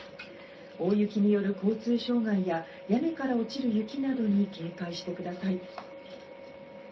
大雪による交通障害や屋根から落ちる雪などに警戒してください。